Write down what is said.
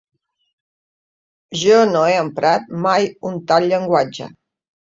Jo no he emprat mai un tal llenguatge.